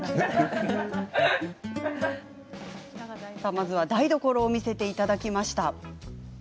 まずは、台所を見せていただきました。